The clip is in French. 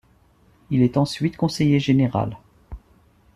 Il est ensuite conseiller général.